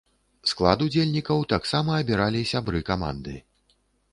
Склад удзельнікаў таксама абіралі сябры каманды.